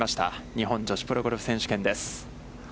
日本女子プロゴルフ選手権です。